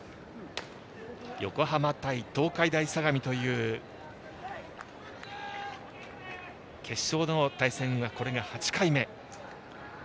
横浜対東海大相模という決勝の対戦はこれが８回目。